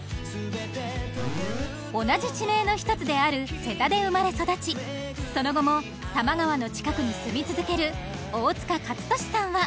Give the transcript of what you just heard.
同じ地名の１つである瀬田で生まれ育ちその後も多摩川の近くに住み続ける